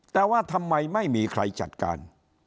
แต่ว่าทำไมไม่มีใครจัดการ